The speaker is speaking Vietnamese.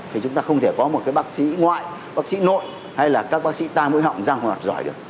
thì chúng ta không thể có một cái bác sĩ ngoại bác sĩ nội hay là các bác sĩ tai mũi họng răng hoặc giỏi được